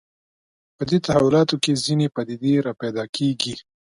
په دې تحولاتو کې ځینې پدیدې راپیدا کېږي